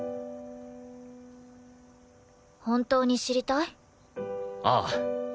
本当に知りたい？ああ。